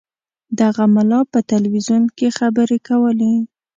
دغه ملا په تلویزیون کې خبرې کولې.